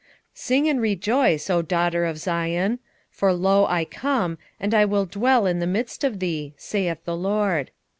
2:10 Sing and rejoice, O daughter of Zion: for, lo, I come, and I will dwell in the midst of thee, saith the LORD.